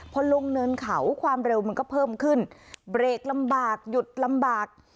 พอลงเนินเขาความเร็วมันก็เพิ่มขึ้นเบรกลำบากหยุดลำบาก